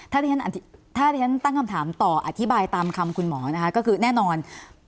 ถ้าที่ฉันตั้งคำถามต่ออธิบายตามคำคุณหมอนะคะก็คือแน่นอน